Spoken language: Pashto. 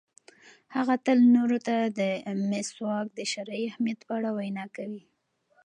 هغه تل نورو ته د مسواک د شرعي اهمیت په اړه وینا کوي.